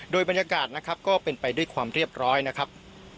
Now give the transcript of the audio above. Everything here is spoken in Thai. โดยบรรยากาศนะครับก็เป็นไปด้วยความเรียบร้อยนะครับ